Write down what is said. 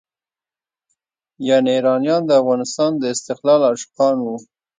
یعنې ایرانیان د افغانستان د استقلال عاشقان وو.